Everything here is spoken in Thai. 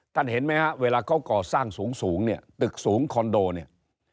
เห็นไหมฮะเวลาเขาก่อสร้างสูงเนี่ยตึกสูงคอนโดเนี่ย